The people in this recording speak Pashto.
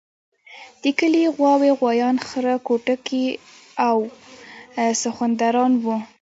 د کلي غواوې، غوایان، خره کوټکي او سخوندران وو.